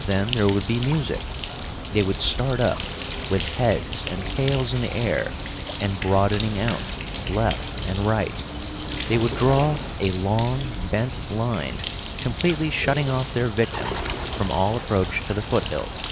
Then there would be music! They would start up, with heads and tails in the air, and, broadening out, left and right, they would draw a long bent line, completely shutting off their victim from all approach to the foothills.